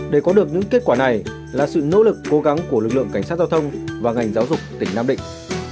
để có được những kết quả này là sự nỗ lực cố gắng của lực lượng cảnh sát giao thông và ngành giáo dục tỉnh nam định